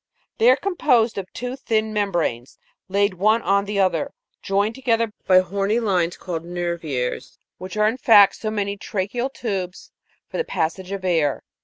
They are composed of two thin membranes, laid one on the other, joined together by horny lines called nervures, which are in fact so many tracheal tubes for the passage of a r.